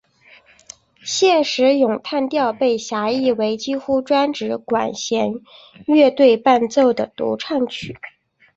现时咏叹调被狭义为几乎专指管弦乐队伴奏的独唱曲。